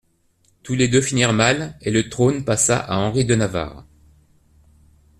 Tous les deux finirent mal, et le trône passa à Henri de Navarre.